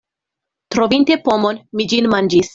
Trovinte pomon, mi ĝin manĝis.